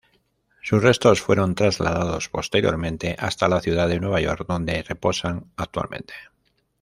Sus restos fueron trasladados posteriormente hasta la ciudad de Nueva York, donde reposan actualmente.